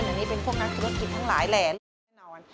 หรือเป็นพวกนักธุรกิจทั้งหลายแลนะ